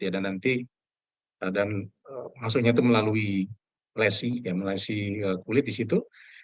dan nanti masuknya itu melalui lesi kulit di situ